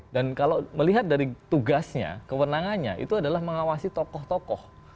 dan kalau melihat dari tugasnya kewenangannya itu adalah mengawasi tokoh tokoh